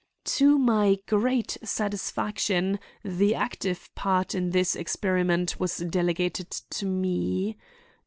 To my great satisfaction the active part in this experiment was delegated to me.